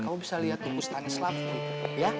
kamu bisa liat tunggu setanis love ya